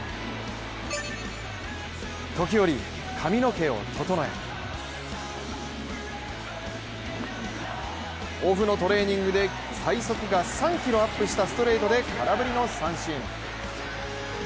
時折、髪の毛を整えオフのトレーニングで最速が３キロアップしたストレートで空振りの三振。